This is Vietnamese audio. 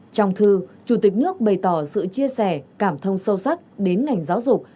trong thư chủ tịch nước bày tỏ sự chia sẻ cảm thông sâu sắc đến ngành giáo dục